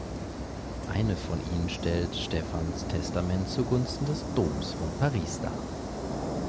Eine von ihnen stellt Stephans Testament zugunsten des Doms von Paris dar.